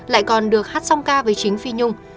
lại còn được hát song ca với chính phi nhung